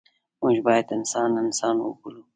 موږ باید انسان انسان وبولو.